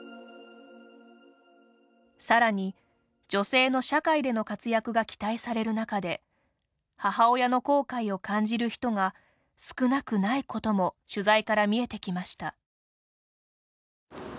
さらに、女性の社会での活躍が期待される中で母親の後悔を感じる人が少なくないことも取材から見えてきました。